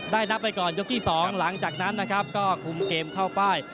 ได้นับไปก่อนยกที่๒หลังจากนั้นก็คุมเกมเข้าไป